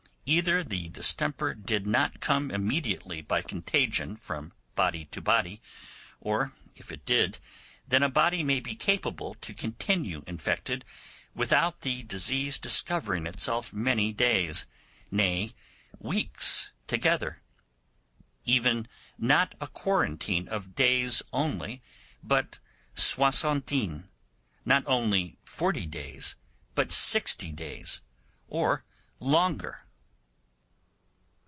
Either the distemper did not come immediately by contagion from body to body, or, if it did, then a body may be capable to continue infected without the disease discovering itself many days, nay, weeks together; even not a quarantine of days only, but soixantine; not only forty days, but sixty days or longer.